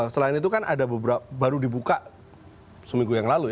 selain itu kan ada beberapa baru dibuka seminggu yang lalu ya